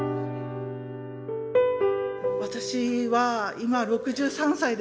私は今６３歳です。